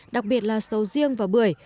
đặc biệt là sầu riêng và bưởi